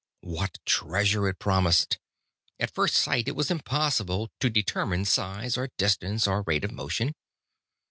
What treasure it promised! At first sight, it was impossible to determine size or distance or rate of motion.